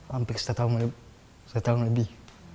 hampir setahun lebih